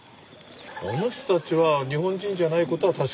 あの人たちは日本人じゃないことは確かですけど。